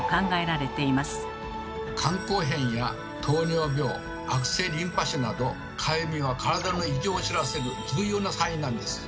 肝硬変や糖尿病悪性リンパ腫などかゆみは体の異常を知らせる重要なサインなんです。